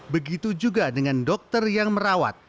begitu juga dengan dokter yang merawat